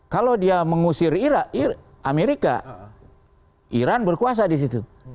kalau dia mengusir amerika iran berkuasa di situ